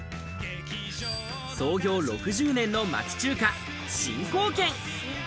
創業６０年の町中華・新興軒。